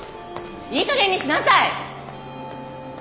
いいかげんにしなさい！